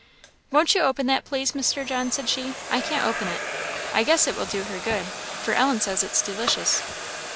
"Won't you open that, please, Mr. John," said she; "I can't open it; I guess it will do her good, for Ellen says it's delicious.